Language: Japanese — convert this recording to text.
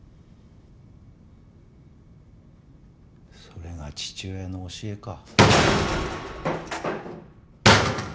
それが父親の教えか？